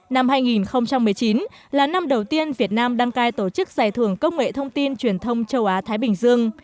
năm hai nghìn một mươi chín là năm đầu tiên việt nam đăng cai tổ chức giải thưởng công nghệ thông tin truyền thông châu á thái bình dương